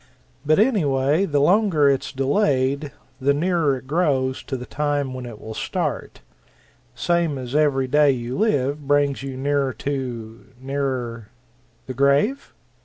But anyway, the longer it's delayed, the nearer it grows to the time when it will start same as every day you live brings you nearer to nearer " "The grave?"